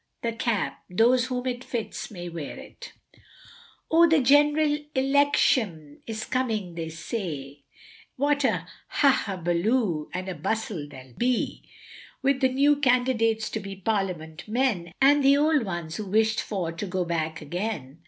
"THE CAP, THOSE WHOM IT FITS MAY WEAR IT." O the general Electiom is coming they say, What an huhabolu and a bustle there'll be, With the new candidates to be Parliament men, And the old ones who wished for to go back again.